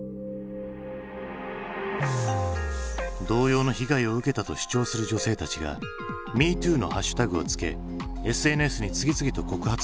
同様の被害を受けたと主張する女性たちが「＃Ｍｅｔｏｏ」のハッシュタグを付けＳＮＳに次々と告発を投稿。